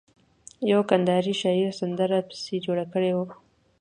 يوه کنداري شاعر سندره پسې جوړه کړه.